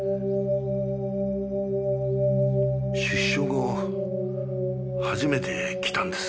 出所後初めて来たんです。